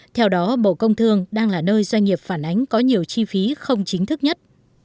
theo đó bộ công thương đang là nơi doanh nghiệp phản ánh có nhiều chi phí không chính thức nhất